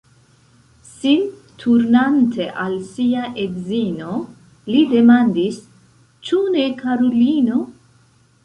Sin turnante al sia edzino, li demandis: Ĉu ne, karulino?